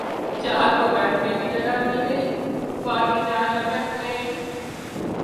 چار کو بیٹھنے کی جگہ مل گئی باقی چار لٹک گئے ۔